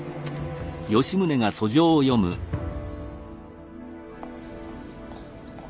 はい。